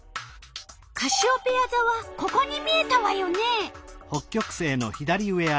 カシオペヤざはここに見えたわよね。